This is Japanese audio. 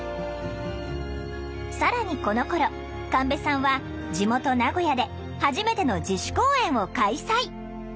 更にこのころ神戸さんは地元名古屋で初めての自主公演を開催。